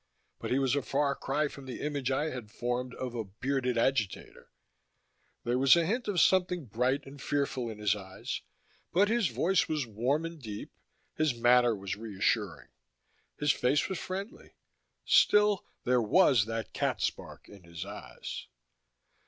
But he was a far cry from the image I had formed of a bearded agitator. There was a hint of something bright and fearful in his eyes, but his voice was warm and deep, his manner was reassuring, his face was friendly. Still there was that cat spark in his eyes.